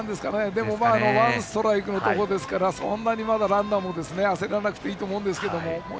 でも、ワンストライクのところですからそんなにまだランナーも焦らなくていいと思うんですけども。